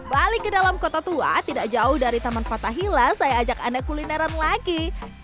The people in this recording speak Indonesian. balik ke dalam kota tua tidak jauh dari taman fathahila saya ajak anda kulineran lagi